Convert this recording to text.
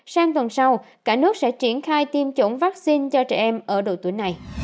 sang tuần sau cả nước sẽ triển khai tiêm chủng vaccine cho trẻ em ở độ tuổi này